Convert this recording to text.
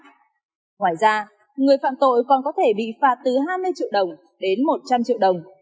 ngoài ra người phạm tội còn có thể bị phạt từ hai mươi triệu đồng đến một trăm linh triệu đồng